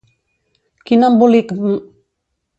Quin embolic m